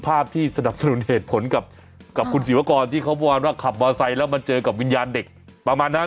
ไอ้ตรงกระจกรถน่ะ